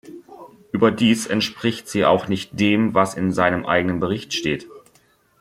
Überdies entspricht sie auch nicht dem, was in seinem eigenen Bericht steht.